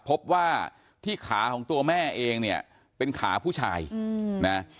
พบว่าที่ขาของตัวแม่เองเนี่ยเป็นขาผู้ชายนะ